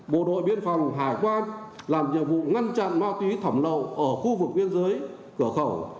bộ đội biên phòng hải quan làm nhiệm vụ ngăn chặn ma túy thẩm lậu ở khu vực biên giới cửa khẩu